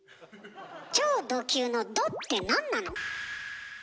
超ド級の「ド」ってなんなの？